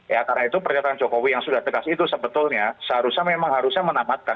ya karena itu pernyataan jokowi yang sudah tegas itu sebetulnya seharusnya memang harusnya menamatkan